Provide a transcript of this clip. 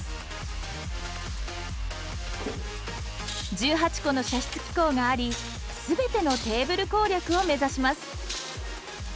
１８個の射出機構があり全てのテーブル攻略を目指します。